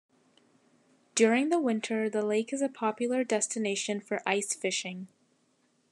During the winter the lake is a popular destination for ice fishing.